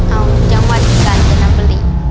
เอาจังหวัดกาญจนบุรี